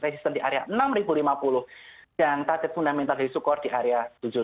resisten di area enam lima puluh dan target fundamental dari sukort di area tujuh lima ratus